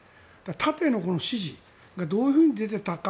縦の指示がどういうふうに出ていたか。